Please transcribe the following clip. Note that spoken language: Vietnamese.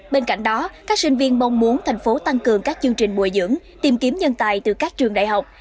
bên cạnh đó các sinh viên mong muốn thành phố tăng cường các chương trình bồi dưỡng tìm kiếm nhân tài từ các trường đại học